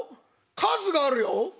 数があるよ。